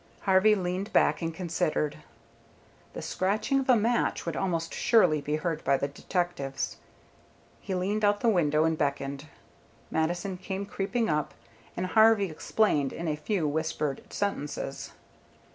Harvey leaned back and considered. The scratching of a match would almost surely be heard by the detectives. He leaned out the window, and beckoned. Mattison came creeping up, and Harvey explained in a few whispered sentences.